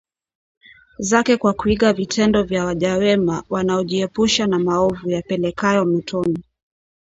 zake kwa kuiga vitendo vya waja wema wanaojiepusha na maovu yapelekayo motoni